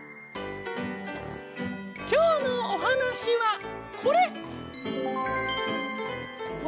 きょうのおはなしはこれ。